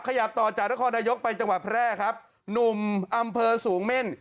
ขยับต่อจากนครนายกไปจังหวัดแพร่ครับหนุ่มอำเภอสูงเม่น